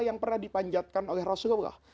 yang pernah dipanjatkan oleh rasulullah